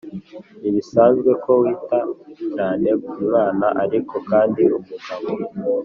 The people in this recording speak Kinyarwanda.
ni ibisanzwe ko wita cyane ku mwana Ariko kandi umugabo